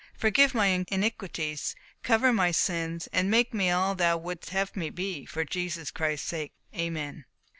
Forgive my iniquities, cover my sins, and make me all that thou wouldst have me be, for Jesus Christ's sake. Amen."